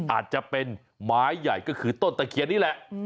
อาจจะเป็นไม้ใหญ่ก็คือต้นตะเคียนนี่แหละ